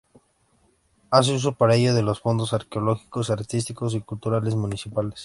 Hace uso para ello de los fondos arqueológicos, artísticos y culturales municipales.